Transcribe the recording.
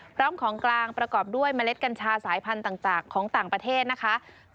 พร้อมของกลางประกอบด้วยเมล็ดกัญชาสายพันธุ์ต่างของต่างประเทศนะคะ